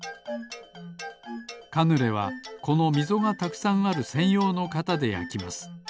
カヌレはこのみぞがたくさんあるせんようのかたでやきます。